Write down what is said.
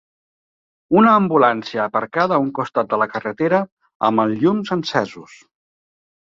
Una ambulància aparcada a un costat de la carretera amb els llums encesos.